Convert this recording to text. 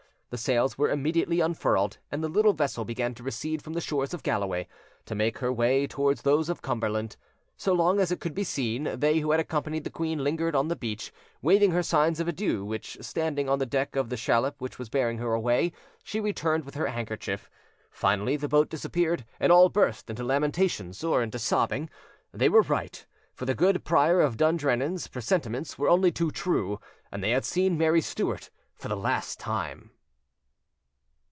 The sails were immediately unfurled, and the little vessel began to recede from the shores of Galloway, to make her way towards those of Cumberland. So long as it could be seen, they who had accompanied the queen lingered on the beach, waving her signs of adieu, which, standing on the deck of the shallop which was bearing her, away, she returned with her handkerchief. Finally, the boat disappeared, and all burst into lamentations or into sobbing. They were right, for the good Prior of Dundrennan's presentiments were only too true, and they had seen Mary Stuart for the last time.